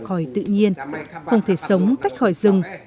không thể sống tách khỏi tự nhiên không thể sống tách khỏi rừng